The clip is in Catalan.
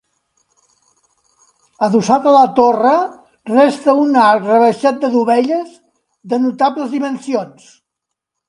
Adossat a la torre resta un arc rebaixat de dovelles, de notables dimensions.